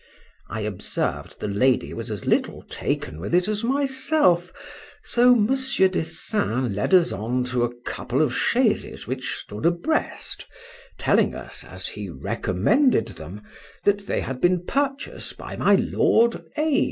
I observed the lady was as little taken with it as myself: so Mons. Dessein led us on to a couple of chaises which stood abreast, telling us, as he recommended them, that they had been purchased by my lord A.